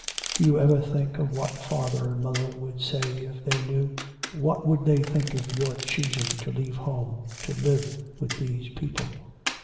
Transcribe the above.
'Do you ever think of what father and mother would say if they knew? What would they think of your choosing to leave home to live with these people?'